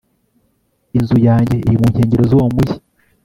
Inzu yanjye iri mu nkengero zuwo mujyi